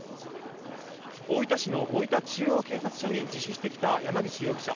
大分市の大分中央警察署に自首してきた山口容疑者。